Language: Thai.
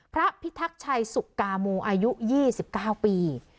พระพิทักชัยสุกามูอายุยี่สิบเก้าปี